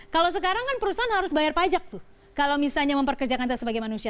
kalau sekarang kan perusahaan harus bayar pajak tuh kalau misalnya memperkerjakan saya sebagai manusia